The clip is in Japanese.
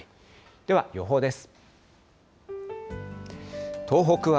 では、予報です。